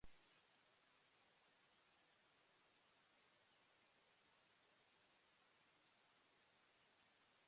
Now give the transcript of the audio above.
Richard Stokes was chairman and supporter of the School of Economic Science.